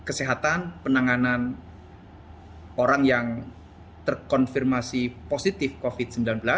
kesehatan penanganan orang yang terkonfirmasi positif covid sembilan belas